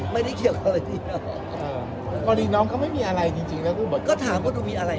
บางครั้งมาตรวจบอกบ่งดีค่ะ